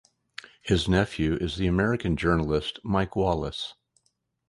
His nephew is the American journalist Mike Wallace.